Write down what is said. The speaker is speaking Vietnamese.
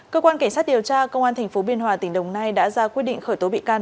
cơ quan cảnh sát điều tra công an tp biên hòa tỉnh đồng nai đã ra quyết định khởi tố bị can